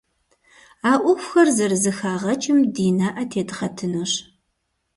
А Ӏуэхухэр зэрызэхагъэкӀым ди нэӀэ тедгъэтынущ.